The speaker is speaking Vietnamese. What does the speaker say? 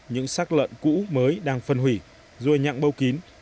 những xác lợn cũ mới đang phân hủy ruôi nhặng bâu kín